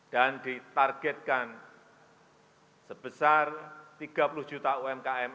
dan ditargetkan sebesar tiga puluh juta umkm